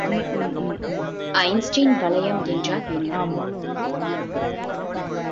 Einstein வளையம் என்றால் என்ன?